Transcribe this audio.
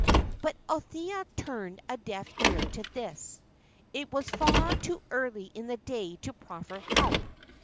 But Althea turned a deaf ear to this. It was far too early in the day to proffer help.